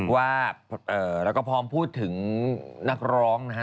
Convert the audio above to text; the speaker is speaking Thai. แล้วก็พร้อมพูดถึงนักร้องนะครับ